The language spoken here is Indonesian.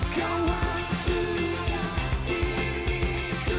kau masukkan diriku